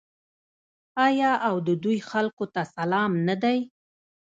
آیا او د دوی خلکو ته سلام نه دی؟